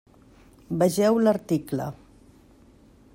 Vegeu l'article: